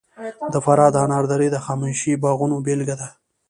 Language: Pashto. د فراه د انار درې د هخامنشي باغونو بېلګه ده